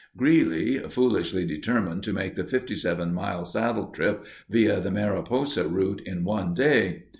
Greeley, foolishly, determined to make the 57 mile saddle trip via the Mariposa route in one day.